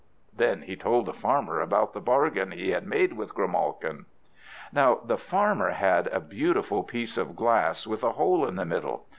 Then he told the Farmer about the bargain he had made with Grimalkin. Now the Farmer had a beautiful piece of glass, with a hole in the middle.